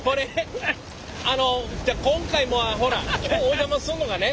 あの今回もほら今日お邪魔すんのがね